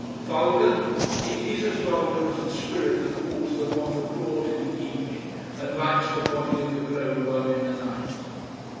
Vulgar! it is as vulgar as the spirit that calls the moth abroad in the evening and lights the body of the glow worm in the night.